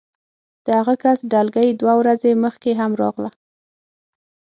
د هغه کس ډلګۍ دوه ورځې مخکې هم راغله